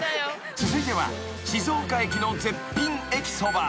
［続いては静岡駅の絶品駅そば］